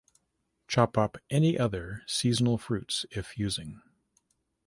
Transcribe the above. Chop up any other seasonal fruits if using.